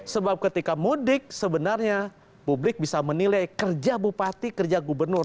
sebab ketika mudik sebenarnya publik bisa menilai kerja bupati kerja gubernur